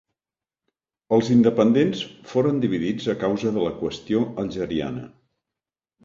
Els independents foren dividits a causa de la qüestió algeriana.